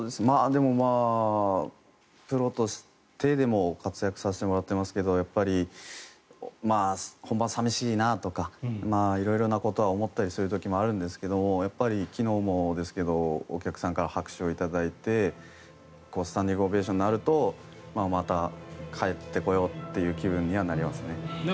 でも、プロとしてでも活躍させてもらってますけどやっぱり本番寂しいなとか色々なことは思ったりするんですけども昨日もですけどお客さんから拍手を頂いてスタンディングオベーションとかあるとまた帰ってこようという気分にはなりますね。